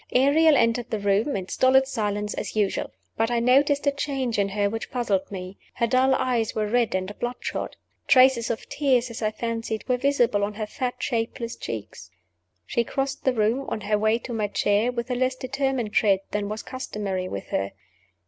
Ariel entered the room in stolid silence, as usual. But I noticed a change in her which puzzled me. Her dull eyes were red and bloodshot. Traces of tears (as I fancied) were visible on her fat, shapeless cheeks. She crossed the room, on her way to my chair, with a less determined tread than was customary with her.